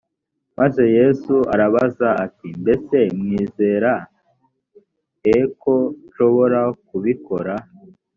maze yesu arababaza ati mbese mwizera e ko nshobora kubikora